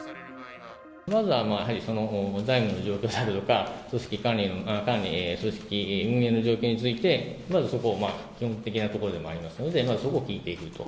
まずはやはり財務の状況であるとか、組織管理、組織運営の条件について、まずはそこを基本的なところでありますので、そこを聞いていくと。